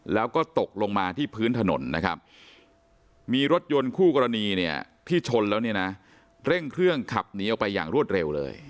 แล้วก็ตกลงมาที่พื้นถนนนะครับมีรถยนต์คู่กรณีเนี่ยที่ชนแล้วเนี่ยนะเร่งเครื่องขับหนีออกไปอย่างรวดเร็วเลย